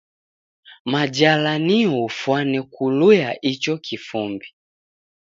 Majala nio ufwane kuluya icho kifumbi.